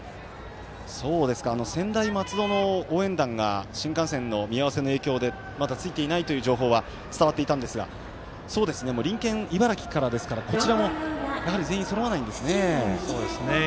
専大松戸の応援団が新幹線の見合わせの影響でまだついていないという情報は伝わっていたんですが隣県、茨城からですがこちらも全員そろわないんですね。